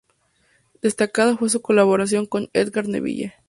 Destacada fue su colaboración con Edgar Neville.